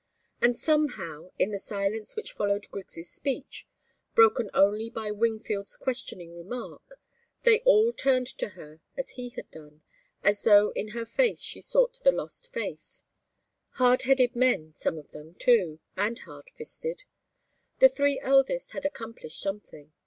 And somehow, in the silence which followed Griggs' speech, broken only by Wingfield's questioning remark, they all turned to her as he had done, as though in her face they sought the lost faith. Hard headed men, some of them, too, and hard fisted. The three eldest had each accomplished something.